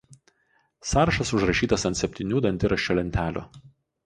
Sąrašas užrašytas ant septynių dantiraščio lentelių.